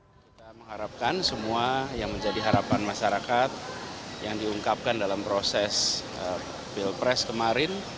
kita mengharapkan semua yang menjadi harapan masyarakat yang diungkapkan dalam proses pilpres kemarin